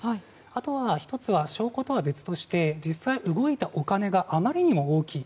あと１つは証拠とは別として実際動いたお金があまりにも大きい。